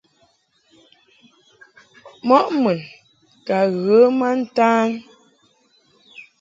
Mɔʼ mun ka ghə ma ntan.